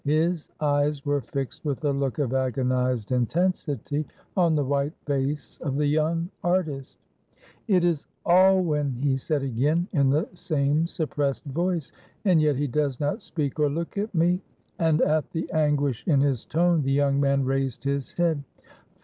His eyes were fixed with a look of agonised intensity on the white face of the young artist. "It is Alwyn," he said again, in the same suppressed voice, "and yet he does not speak or look at me!" And at the anguish in his tone the young man raised his head.